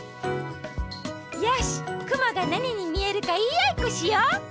よしくもがなににみえるかいいあいっこしよう！